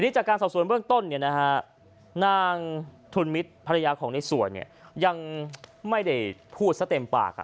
จากการสอบส่วนเบื้องต้นนางทุนมิตรภรรยาของในสวยยังไม่ได้พูดซะเต็มปาก